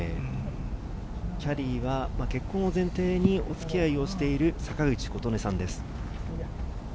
キャディーは結婚を前提にお付き合いしている坂口琴音さんです。